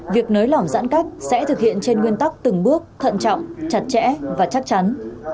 việc nới lỏng giãn cách sẽ thực hiện trên nguyên tắc từng bước thận trọng chặt chẽ và chắc chắn